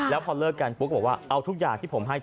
แล้วพอเลิกกันปุ๊บบอกว่าเอาทุกอย่างที่ผมให้